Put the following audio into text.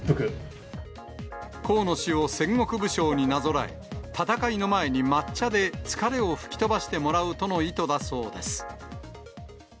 河野氏を戦国武将になぞらえ、戦いの前に抹茶で疲れを吹き飛ばしてもらうとの意図だそうです。